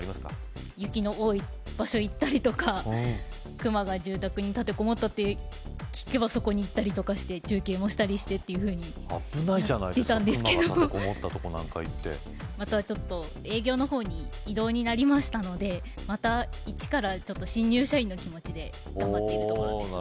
雪の多い場所行ったりとか熊が住宅に立てこもったって聞けばそこに行ったりとかして中継もしたりしてっていうふうに危ないじゃないですか熊が立てこもったとこなんか行ってまたちょっと営業のほうに異動になりましたのでまた一から新入社員の気持ちで頑張っていくところです